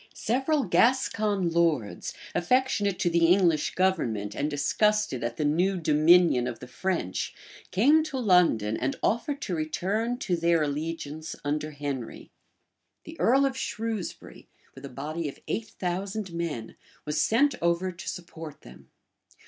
Several Gascon lords, affectionate to the English government, and disgusted at the new dominion of the French, came to London, and offered to return to their allegiance under Henry.[] {1453.} The earl of Shrewsbury, with a body of eight thousand men, was sent over to support them.